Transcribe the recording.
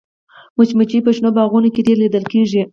مچمچۍ په شنو باغونو کې ډېره لیدل کېږي